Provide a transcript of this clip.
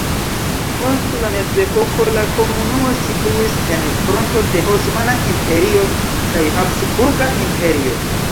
Post la mezepoko la komunumo situis en fronto de Osmana Imperio kaj Habsburga Imperio.